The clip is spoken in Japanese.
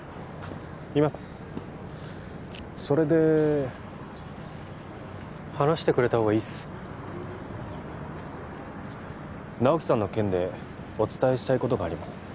いますそれで話してくれたほうがいいっす直木さんの件でお伝えしたいことがあります